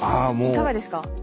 いかがですか？